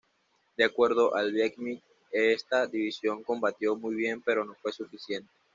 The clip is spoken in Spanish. De acuerdo al Viet Minh, esta división combatió muy bien pero no fue suficiente.